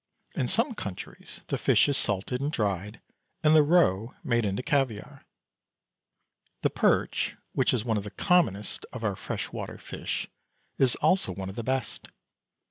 In some countries the fish is salted and dried, and the roe made into caviare. The perch, which is one of the commonest of our fresh water fish, is also one of the best.